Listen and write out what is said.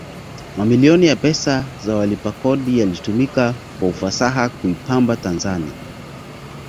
mamilioni ya pesa za walipa kodi yalitumika kwa ufasaha kuipamba tanzani